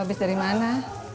lu abis dari mana